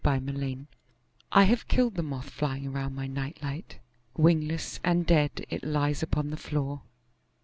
Moth Terror I HAVE killed the moth flying around my night light; wingless and dead it lies upon the floor.